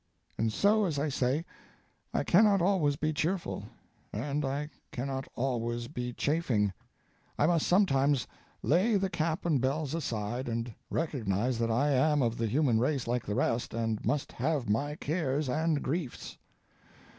And so, as I say, I cannot always be cheerful, and I cannot always be chaffing; I must sometimes lay the cap and bells aside, and recognize that I am of the human race like the rest, and must have my cares and griefs.